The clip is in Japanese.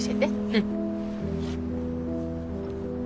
うん。